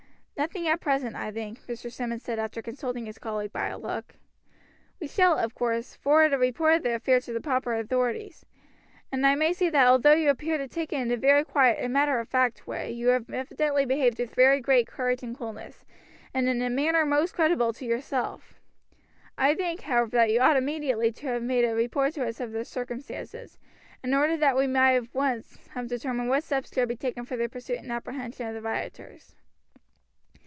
"Nothing at present, I think," Mr. Simmonds said after consulting his colleague by a look. "We shall, of course, forward a report of the affair to the proper authorities, and I may say that although you appear to take it in a very quiet and matter of fact way, you have evidently behaved with very great courage and coolness, and in a manner most creditable to yourself. I think, however, that you ought immediately to have made a report to us of the circumstances, in order that we might at once have determined what steps should be taken for the pursuit and apprehension of the rioters."